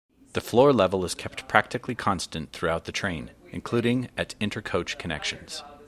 The floor level is kept practically constant throughout the train, including at inter-coach connections.